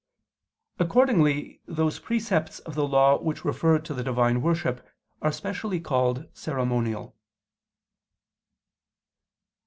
Accordingly those precepts of the Law which refer to the Divine worship are specially called ceremonial.